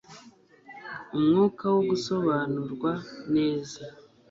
Umwuka wo gusobanurwa neza